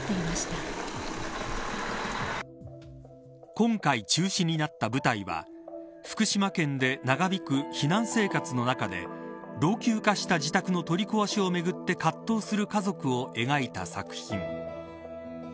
今回中止になった舞台は福島県で長引く避難生活の中で老朽化した自宅の取り壊しをめぐって葛藤する家族を描いた作品。